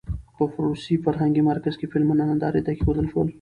په روسي فرهنګي مرکز کې فلمونه نندارې ته کېښودل شول.